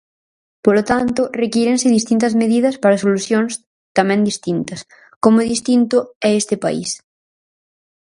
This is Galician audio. Polo tanto, requírense distintas medidas para solucións tamén distintas, como distinto é este país.